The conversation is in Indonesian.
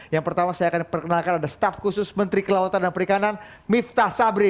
yang pertama saya akan perkenalkan ada staf khusus menteri kelautan dan perikanan miftah sabri